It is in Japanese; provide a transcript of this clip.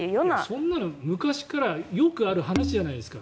そんなの昔からよくある話じゃないですか。